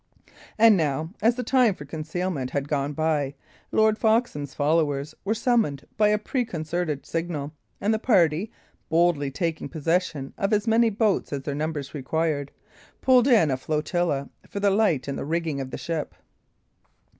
And now, as the time for concealment had gone by, Lord Foxham's followers were summoned by a preconcerted signal, and the party, boldly taking possession of as many boats as their numbers required, pulled in a flotilla for the light in the rigging of the ship.